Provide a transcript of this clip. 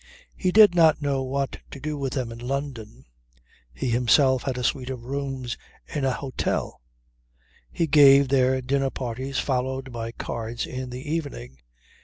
He did not know what to do with them in London. He himself had a suite of rooms in an hotel. He gave there dinner parties followed by cards in the evening.